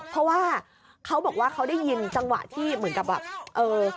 เพราะว่าเขาบอกว่าเขาได้ยินจังหวะที่เหมือนกับแบบเออ